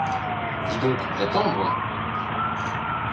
Dis donc, j'attends, moi.